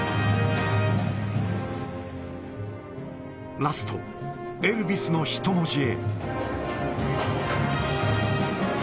ラスト、エルヴィスの人文字へ。